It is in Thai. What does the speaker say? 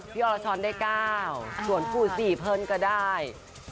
พี่อรชรได้๙ส่วนผู้ซีเพิ่มก็ได้๔